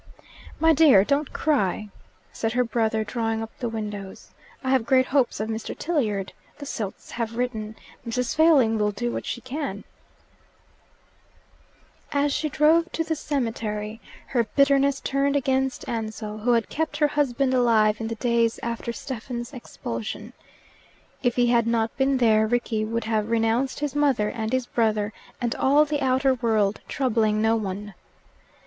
"My dear, don't cry," said her brother, drawing up the windows. "I have great hopes of Mr. Tilliard the Silts have written Mrs. Failing will do what she can " As she drove to the cemetery, her bitterness turned against Ansell, who had kept her husband alive in the days after Stephen's expulsion. If he had not been there, Rickie would have renounced his mother and his brother and all the outer world, troubling no one.